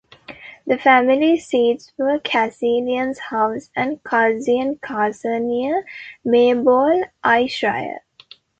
The family's seats were Cassillis House and Culzean Castle, near Maybole, Ayrshire.